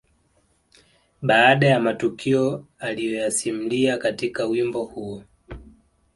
Baadhi ya matukio aliyoyasimulia katika wimbo huo